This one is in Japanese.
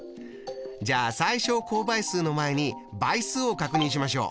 じゃあ最小公倍数の前に倍数を確認しましょう。